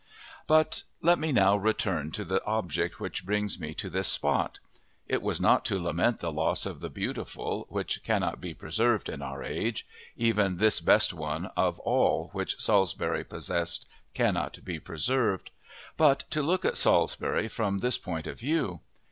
But let me now return to the object which brings me to this spot; it was not to lament the loss of the beautiful, which cannot be preserved in our age even this best one of all which Salisbury possessed cannot be preserved but to look at Salisbury from this point of view.